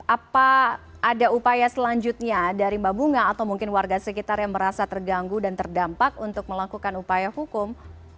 apa ada upaya selanjutnya dari mbak bunga atau mungkin warga sekitar yang merasa terganggu dan terdampak untuk melakukan upaya hukum